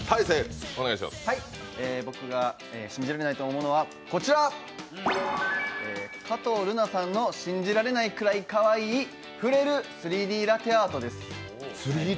僕が信じられないと思うものはこちら加藤瑠菜さんの信じられないくらいかわいい触れる３Ｄラテアートです。